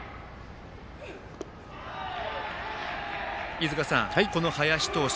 飯塚さん、この林投手